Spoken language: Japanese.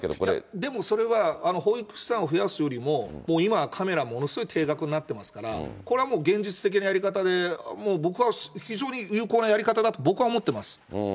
でもそれは、保育士さんを増やすよりも、今、カメラ、ものすごい低額になってますから、これはもう現実的なやり方で、もう僕は非常に有効なやり方だと、僕は思ってます。